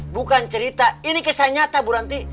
bukan cerita ini kisah nyata bu ranti